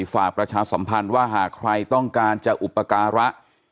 ประชาสัมพันธ์ว่าหากใครต้องการจะอุปการะ